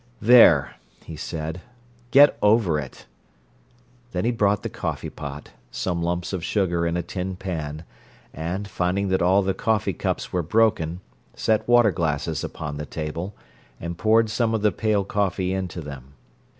"There!" he said, "get over it!" Then he brought the coffee pot, some lumps of sugar in a tin pan, and, finding that all the coffee cups were broken, set water glasses upon the table, and poured some of the pale coffee into them.